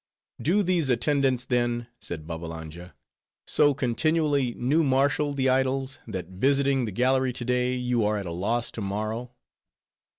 "Do these attendants, then," said Babbalanja, "so continually new marshal the idols, that visiting the gallery to day, you are at a loss to morrow?"